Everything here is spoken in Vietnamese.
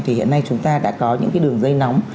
thì hiện nay chúng ta đã có những cái đường dây nóng